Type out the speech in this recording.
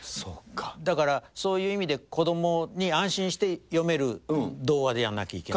だから、そういう意味で子どもに安心して読める童話でなければいけない。